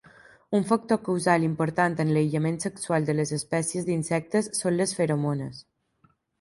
Un factor causal important en l'aïllament sexual de les espècies d'insectes són les feromones.